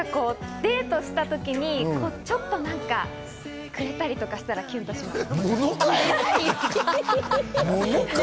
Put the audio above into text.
デートした時にちょっとくれたりとかしたらキュンとします。